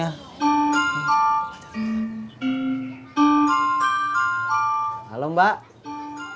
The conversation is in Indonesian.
ya udah kalau kamu gak percaya